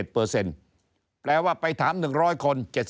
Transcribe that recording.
แปลว่าไปถาม๑๐๐คน